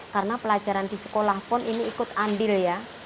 karena pelajaran di sekolah pun ini ikut andil ya